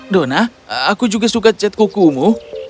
dona aku juga suka cat kukumu